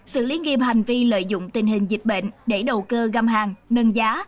xử lý nghiêm hành vi lợi dụng tình hình dịch bệnh để đầu cơ găm hàng nâng giá